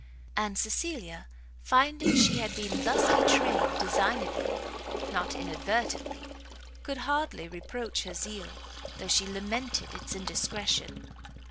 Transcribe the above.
And Cecilia, finding she had been thus betrayed designedly, not inadvertently, could hardly reproach her zeal, though she lamented its indiscretion.